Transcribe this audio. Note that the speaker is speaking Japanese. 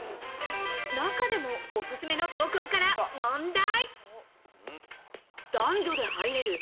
中でもオススメの投稿から問題。